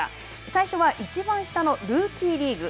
最初はいちばん下のルーキーリーグ。